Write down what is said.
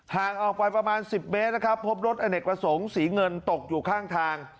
ห่างออกไปประมาณ๑๐เมตรนะครับพบรถอเนกประสงค์สีเงินตกอยู่ข้างทาง